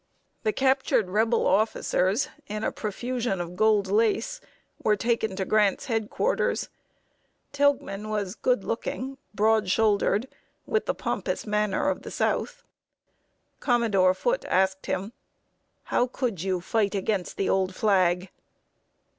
The captured Rebel officers, in a profusion of gold lace, were taken to Grant's head quarters. Tilghman was good looking, broad shouldered, with the pompous manner of the South. Commodore Foote asked him: "How could you fight against the old flag?"